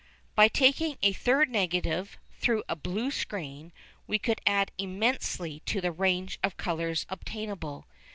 By taking a third negative, through a blue screen, we could add immensely to the range of colours obtainable.